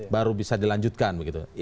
baru bisa dilanjutkan begitu